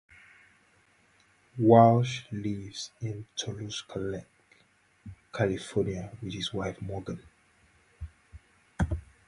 Walsh lives in Toluca Lake, California, with his wife Morgan.